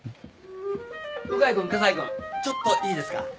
向井君河西君ちょっといいですか？